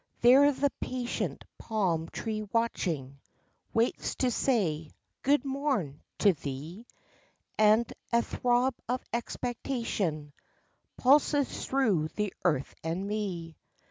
There the patient palm tree watching Waits to say, "Good morn" to thee, And a throb of expectation Pulses through the earth and me.